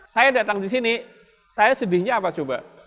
saya datang di sini saya sedihnya apa coba